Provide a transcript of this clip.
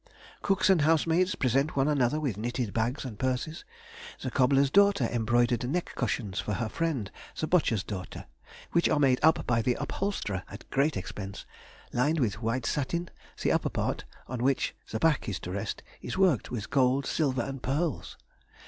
Cooks and housemaids present one another with knitted bags and purses, the cobbler's daughter embroidered neck cushions for her friend the butcher's daughter, which are made up by the upholsterer at great expense, lined with white satin, the upper part, on which the back is to rest, is worked with gold, silver, and pearls.